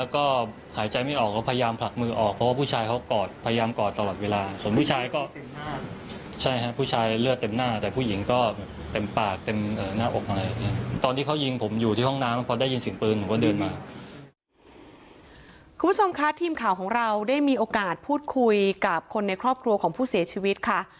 คุณผู้ชมคะทีมข่าวของเราได้มีโอกาสพูดคุยกับคนในครอบครัวของผู้เสียชีวิตค่ะ